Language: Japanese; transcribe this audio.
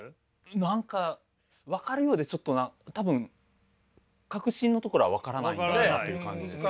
何か分かるようでちょっと多分核心のところは分からないんだろうなという感じですね。